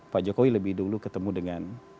pak jokowi lebih dulu ketemu dengan